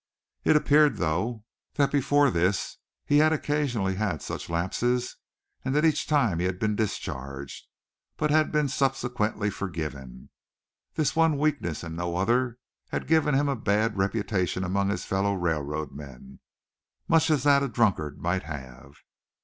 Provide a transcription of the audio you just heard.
It appeared, though, that before this he had occasionally had such lapses and that each time he had been discharged, but had been subsequently forgiven. This one weakness, and no other, had given him a bad reputation among his fellow railroad men much as that a drunkard might have.